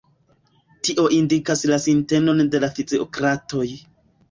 Tio indikas la sintenon de la fiziokratoj.